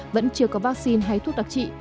vẫn chưa có vaccine hay thuốc đặc trị